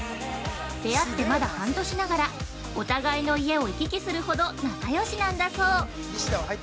出会ってまだ半年ながら、お互いの家を行き来するほど仲よしなんだそう。